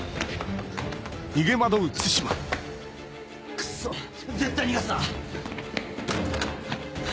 クソ絶対逃がすな！